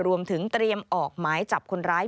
รวมถึงเตรียมออกหมายจับคนร้าย